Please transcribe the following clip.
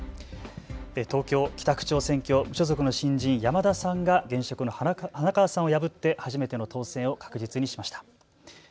東京北区長選挙、無所属の新人山田さんが、現職の花川さんを破って、初めての当選を確実にしました。